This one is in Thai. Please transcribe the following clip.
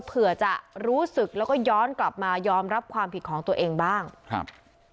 เผื่อจะรู้สึกแล้วก็ย้อนกลับมายอมรับความผิดของตัวเองบ้างครับ